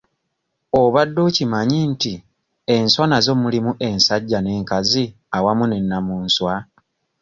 Obadde okimanyi nti enswa nazo mulimu ensajja n'enkazi awamu ne nnamunswa?